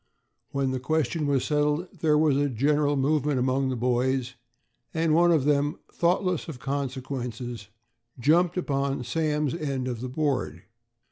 When the question was settled, there was a general movement among the boys, and one of them, thoughtless of consequences, jumped upon Sam's end of the board.